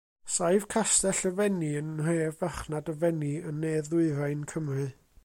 Saif Castell y Fenni yn nhref farchnad y Fenni, yn ne-ddwyrain Cymru.